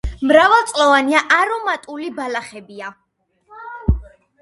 მრავალწლოვანი არომატული ბალახებია.